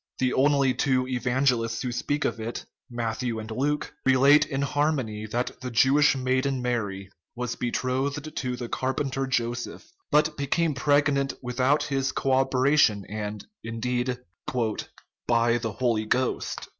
The only two evangelists who speak of it, Matthew and Luke, relate in harmony that the Jewish maiden Mary was betrothed to the carpenter Joseph, but became preg nant without his co operation, and, indeed, "by the Holy Ghost."